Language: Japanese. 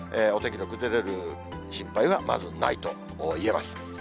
お天気の崩れる心配はまずないといえます。